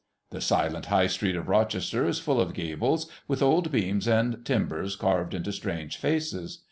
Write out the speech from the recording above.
The silent High street of Rochester is full of gables, with old beams and timbers carved into strange faces.